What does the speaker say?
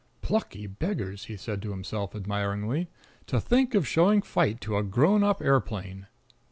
"Plucky beggars!" he said to himself admiringly, "to think of showing fight to a grown up aeroplane!"